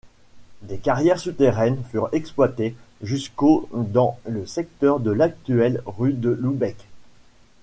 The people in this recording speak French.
Des carrières souterraines furent exploitées jusqu'au dans le secteur de l'actuelle rue de Lübeck.